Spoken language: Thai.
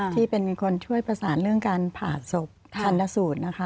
ที่เป็นคนช่วยประสานเรื่องการผ่าศพชันสูตรนะคะ